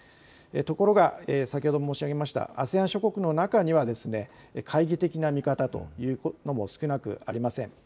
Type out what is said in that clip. ところが先ほども申し上げましたＡＳＥＡＮ諸国の中には懐疑的な見方というのも少なくありません。